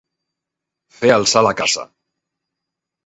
Fer alçar la caça.